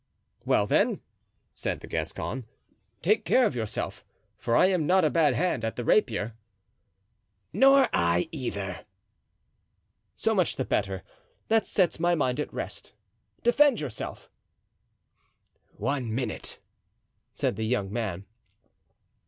"Well, then," said the Gascon, "take care of yourself, for I am not a bad hand at the rapier." "Nor I either." "So much the better; that sets my mind at rest. Defend yourself." "One minute," said the young man.